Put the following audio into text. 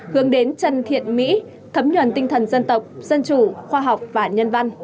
hướng đến chân thiện mỹ thấm nhuần tinh thần dân tộc dân chủ khoa học và nhân văn